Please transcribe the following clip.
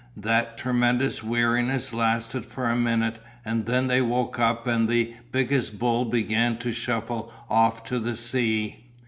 That tremendous weariness lasted for a minute and then they woke up and the biggest bull began to shuffle off to the sea.